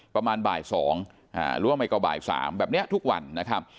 ประมาณบ่ายสองอ่ารู้ไหมก็บ่ายสามแบบเนี้ยทุกวันนะครับ